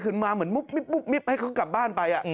มาเหมือนมุบมิบให้เขากลับบ้านไป